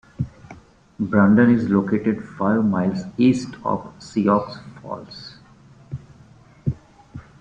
Brandon is located five miles east of Sioux Falls.